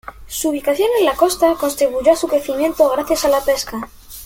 Su ubicación en la costa contribuyó a su crecimiento gracias a la pesca.